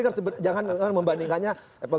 tapi jangan membandingkannya